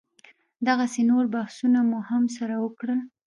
دغسې نور بحثونه مو هم سره وکړل.